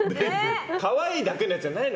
可愛いだけのやつじゃないの？